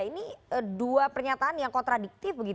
ini dua pernyataan yang kontradiktif